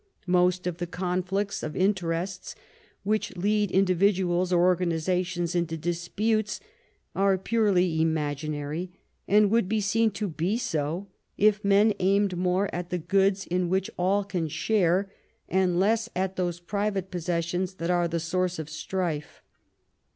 Most of the conflicts of interests, which lead individuals or organizations into disputes, are purely imaginary, and would be seen to be so if men aimed more at the goods in which all can share, and less at those private possessions that are the source of strife.